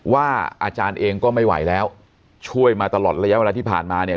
อาจารย์เองก็ไม่ไหวแล้วช่วยมาตลอดระยะเวลาที่ผ่านมาเนี่ย